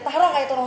taruh kayak itu loh